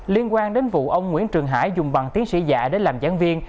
liên quan đến vụ ông nguyễn trường hải dùng bằng tiến sĩ giả để làm giảng viên